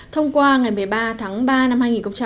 thông qua ngày một mươi ba tháng ba năm hai nghìn bảy